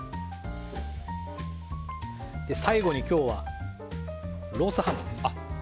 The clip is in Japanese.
最後に今日はロースハムです。